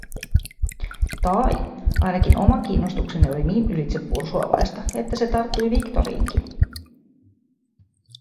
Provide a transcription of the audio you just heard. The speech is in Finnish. Tai, ainakin oma kiinnostukseni oli niin ylitsepursuavaista, että se tarttui Victoriinkin.